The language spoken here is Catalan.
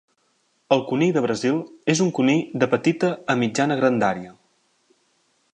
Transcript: El conill de Brasil és un conill de petita a mitjana grandària.